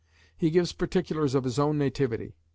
He gives particulars of his own nativity.